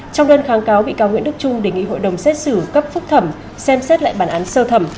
trong đơn kháng cáo bị cáo nguyễn đức trung đề nghị hội đồng xét xử cấp phúc thẩm xem xét lại bản án sơ thẩm